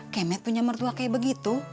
kemet punya mertua kayak begitu